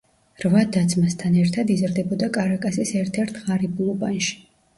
რვა და-ძმასთან ერთად იზრდებოდა კარაკასის ერთ-ერთ ღარიბულ უბანში.